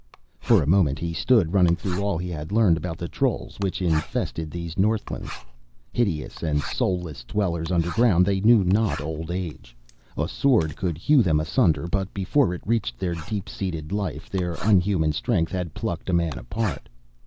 For a moment he stood, running through all he had learned about the trolls which infested these northlands. Hideous and soulless dwellers underground, they knew not old age; a sword could hew them asunder, but before it reached their deep seated life, their unhuman strength had plucked a man apart.